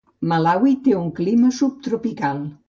Malawi té un clima subtropical.